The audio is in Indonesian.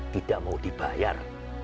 tidak mau dibayar